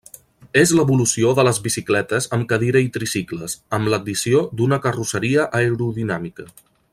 És l'evolució de les bicicletes amb cadira i tricicles, amb l'addició d'una carrosseria aerodinàmica.